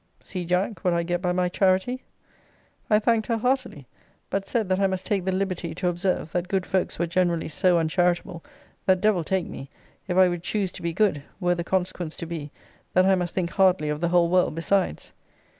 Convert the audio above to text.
See, Jack, what I get by my charity! I thanked her heartily. But said, that I must take the liberty to observe, that good folks were generally so uncharitable, that, devil take me, if I would choose to be good, were the consequence to be that I must think hardly of the whole world besides.